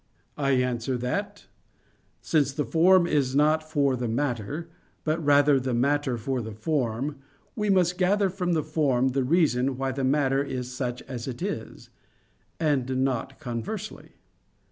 I answer that, Since the form is not for the matter, but rather the matter for the form, we must gather from the form the reason why the matter is such as it is; and not conversely.